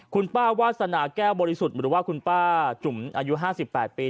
คุณป้าวาสนาแก้วบริสุทธิ์หรือว่าคุณป้าจุ๋มอายุ๕๘ปี